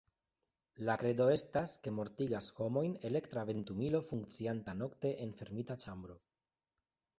La kredo estas, ke mortigas homojn elektra ventumilo funkcianta nokte en fermita ĉambro.